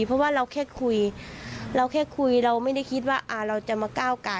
เพราะว่าเราแค่คุยเราแค่คุยเราไม่ได้คิดว่าเราจะมาก้าวไก่